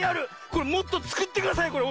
これもっとつくってください！